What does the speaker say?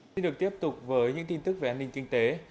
xin được tiếp tục với những tin tức về an ninh kinh tế